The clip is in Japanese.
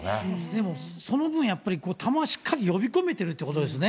でも、その分やっぱり、球をしっかり呼び込めているってことですよね。